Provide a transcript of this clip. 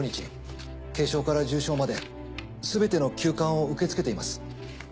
軽症から重症まですべての急患を受け付けています。